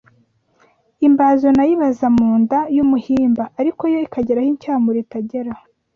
Imbazo Nayo ibaza mu nda y’umuhimba ,ariko yo ikagera aho incyamuro itagera